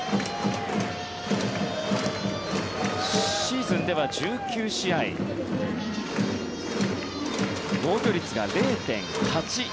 シーズンでは１９試合防御率が０．８１。